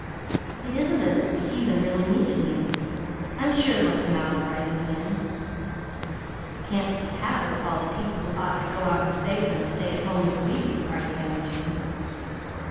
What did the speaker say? It isn't as if the heathen really needed me; I'm sure they'll come out all right in the end." "I can't see how; if all the people who ought to go out to save them stay at home as we do," argued Emma Jane.